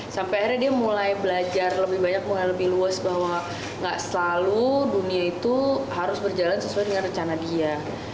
sampai akhirnya dia mulai belajar lebih banyak mulai lebih luas bahwa gak selalu dunia itu harus berjalan sesuai dengan rencana dia